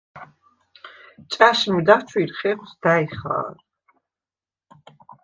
ჭა̈შმი დაჩუ̂ირ ხეხუ̂ს და̈ჲ ხა̄რ.